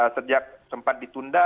sejak sempat ditunda